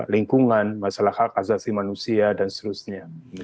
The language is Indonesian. lingkungan masalah hak asasi manusia dan seterusnya